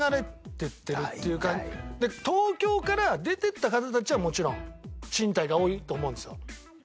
東京から出ていった方たちはもちろん賃貸が多いと思うんですよ。